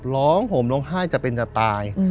ล้อมหงลงไห้จะเป็นจะตาย